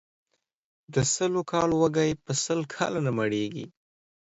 د سلو کالو وږى ، په سل کاله نه مړېږي.